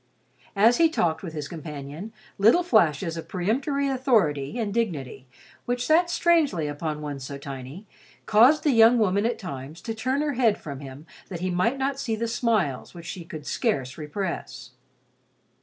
As he talked with his companion, little flashes of peremptory authority and dignity, which sat strangely upon one so tiny, caused the young woman at times to turn her head from him that he might not see the smiles which she could scarce repress.